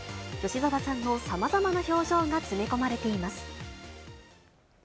吉沢さんのさまざまな表情が詰め込まれています。